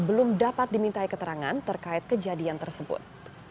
belum dapat dimintai keterangan terkait kejadian tersebut